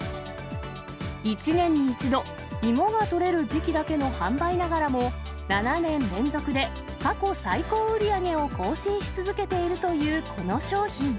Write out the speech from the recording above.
１年に１度、芋が取れる時期だけの販売ながらも、７年連続で過去最高売り上げを更新し続けているというこの商品。